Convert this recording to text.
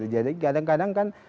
jadi kadang kadang kan